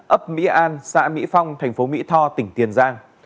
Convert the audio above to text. ấp mỹ an xã mỹ phong thành phố mỹ tho tỉnh tiền giang